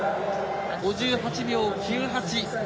５８秒９８。